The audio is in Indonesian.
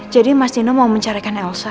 jadi mas dino mau mencarikan elsa